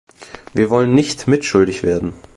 Wir wollen nicht mitschuldig werden.